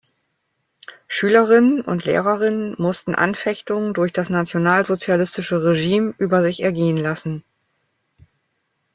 Schülerinnen und Lehrerinnen mussten Anfechtungen durch das nationalsozialistische Regime über sich ergehen lassen.